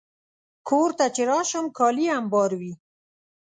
کور ته چې راشم، کالي امبار وي.